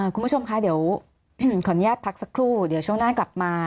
คุณผู้ชมคะเดี๋ยวขออนุญาตพักสักครู่เดี๋ยวช่วงหน้ากลับมา